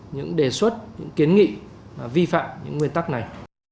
những đề xuất những kiến nghị vi phạm những nguyên tắc này